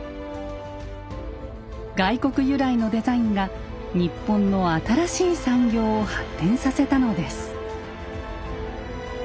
外国由来のデザインが日本の新しい産業を発展させたのです。